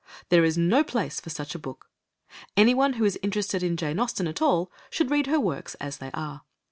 There is no place for such a book; anyone who is interested in Jane Austen at all should read her works as they are.